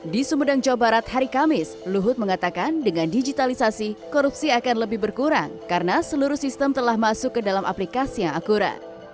di sumedang jawa barat hari kamis luhut mengatakan dengan digitalisasi korupsi akan lebih berkurang karena seluruh sistem telah masuk ke dalam aplikasi yang akurat